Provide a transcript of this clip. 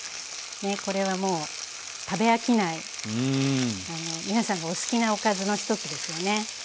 ねえこれはもう食べ飽きない皆さんがお好きなおかずの一つですよね。